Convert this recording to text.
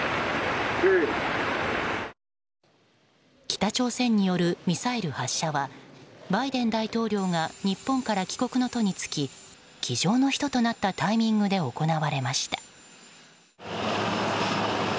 北朝鮮によるミサイル発射はバイデン大統領が日本から帰国の途に就き機上の人となったタイミングで行われました。